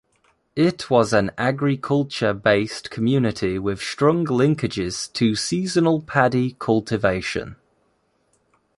It was an agriculture-based community with strong linkages to seasonal Paddy cultivation.